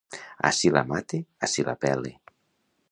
Ací la mate, ací la pele.